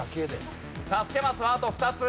助けマスはあと２つ。